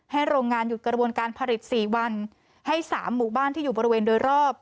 โรงงานหยุดกระบวนการผลิต๔วันให้๓หมู่บ้านที่อยู่บริเวณโดยรอบ